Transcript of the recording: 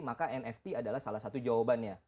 maka nft adalah salah satu jawabannya